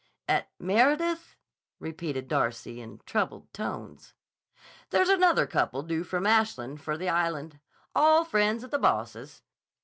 "At Meredith?" repeated Darcy, in troubled tones. "There's another couple due from Ashland for the Island. All friends of the boss's.